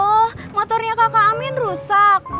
oh motornya kakak amin rusak